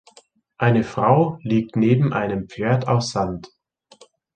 Eine Frau liegt neben einem Pferd aus Sand.